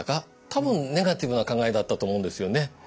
多分ネガティブな考えだったと思うんですよね。